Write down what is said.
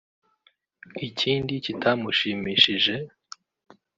Ikindi kitamushimishije